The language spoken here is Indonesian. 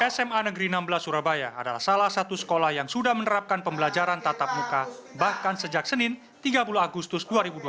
sma negeri enam belas surabaya adalah salah satu sekolah yang sudah menerapkan pembelajaran tatap muka bahkan sejak senin tiga puluh agustus dua ribu dua puluh